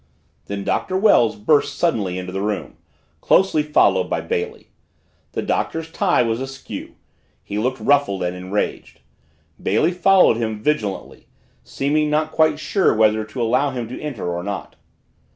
Then Doctor Wells burst suddenly into the room, closely followed by Bailey. The Doctor's tie was askew he looked ruffled and enraged. Bailey followed him vigilantly, seeming not quite sure whether to allow him to enter or not.